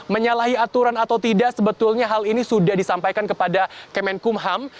menyalahi aturan atau tidak sebetulnya hal ini sudah disampaikan kepada kemenkumham